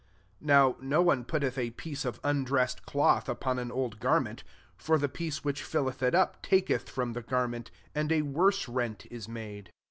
16 Now no one putteth a piece of undressed cloth upon an old garment : for the piece which fiUeth it up taketh from the gar ment and a worse rent is made.